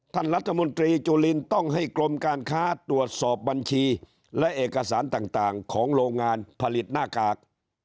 ท่านรัฐมนตรีจุลินต้องให้กรมการค้าตรวจสอบบัญชีและเอกสารต่างของโรงงานผลิตหน้ากาก